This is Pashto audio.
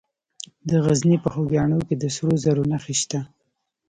د غزني په خوږیاڼو کې د سرو زرو نښې شته.